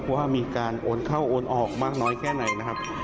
ว่ามีการโอนเข้าโอนออกมากน้อยแค่ไหนนะครับ